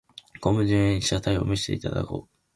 昆布じめにしたタイを蒸していただこう。